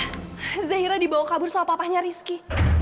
papa zahira dibawa kabur soal papahnya rizky